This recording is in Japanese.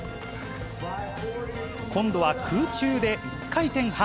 今度は空中で１回転半。